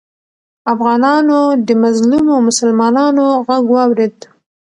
افغانانو د مظلومو مسلمانانو غږ واورېد.